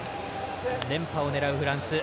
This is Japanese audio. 連覇を狙うフランス。